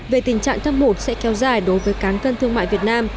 về tình trạng thâm hụt sẽ kéo dài đối với cán cân thương mại việt nam